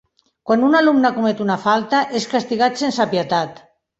Quan un alumne comet una falta, és castigat sense pietat.